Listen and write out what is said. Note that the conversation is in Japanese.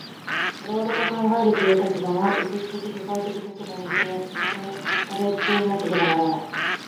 我々が考えるという立場も、歴史的社会的立場に制約せられていなければならない。